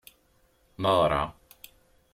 Neɣṛa.